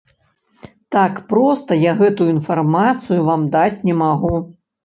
Так проста я гэтую інфармацыю вам даць не магу.